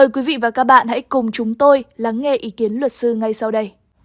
các bạn hãy cùng chúng tôi lắng nghe ý kiến luật sư ngay sau đây